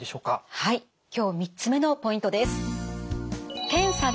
はい今日３つ目のポイントです。